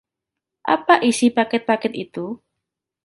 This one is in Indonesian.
Apa isi paket-paket itu?